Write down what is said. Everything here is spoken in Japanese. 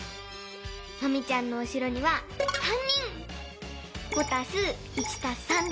マミちゃんのうしろには３人。